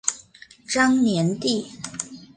张联第。